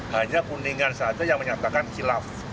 hanya kuningan saja yang menyatakan kilaf